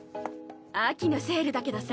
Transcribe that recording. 秋のセールだけどさ。